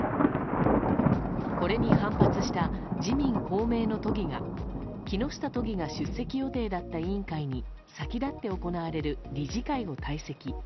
これに反発した自民・公明の都議が木下都議が出席予定だった委員会に先立って行われる理事会を退席。